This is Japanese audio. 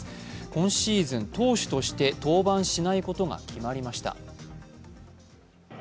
今シーズン、投手として登板しないことが決まりました。